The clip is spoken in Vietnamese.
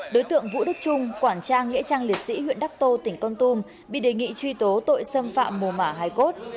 đối tượng vũ đức trung quảng trang nghĩa trang liệt sĩ huyện đắc tô tỉnh con tum bị đề nghị truy tố tội xâm phạm bồ mạ hai cốt